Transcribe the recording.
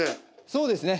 そうですね